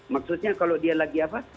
maksudnya kalau dia lagi apa